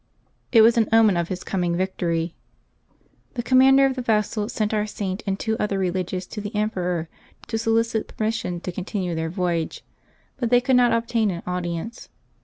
It was an omen of his coming victory. The commander of the vessel sent our Saint and two other religious to the emperor to solicit per mission to continue their voyage, but they could not obtain an audience.